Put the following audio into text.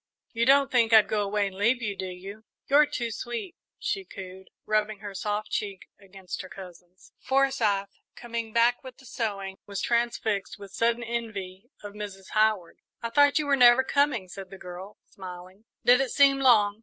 You don't think I'd go away and leave you, do you? You're too sweet," she cooed, rubbing her soft cheek against her cousin's. Forsyth, coming back with the sewing, was transfixed with sudden envy of Mrs. Howard. "I thought you were never coming," said the girl, smiling. "Did it seem long?"